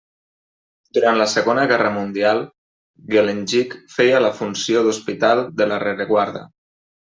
Durant la Segona Guerra Mundial, Guelendjik feia la funció d'hospital de la rereguarda.